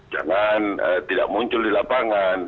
jangan tidak muncul di lapangan